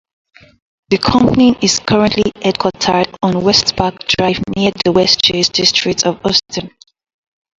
The company is currently headquartered on Westpark Drive near the Westchase District of Houston.